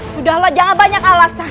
sudahlah jangan banyak alasan